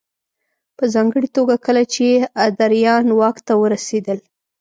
په ځانګړې توګه کله چې ادریان واک ته ورسېدل